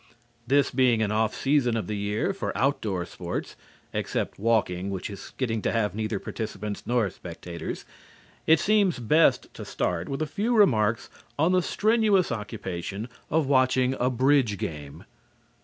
This being an off season of the year for outdoor sports (except walking, which is getting to have neither participants nor spectators) it seems best to start with a few remarks on the strenuous occupation of watching a bridge game.